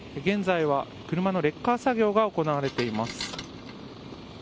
現在は車のレッカー作業が行われています。